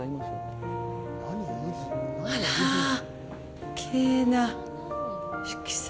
あら、きれいな色彩。